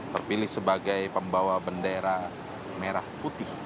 terpilih sebagai pembawa bendera merah putih